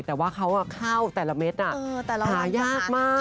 แต่ว่าเขาเข้าแต่ละเม็ดหายากมาก